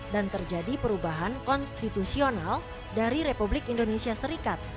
dan terjadi perubahan konstitusional dari republik indonesia serikat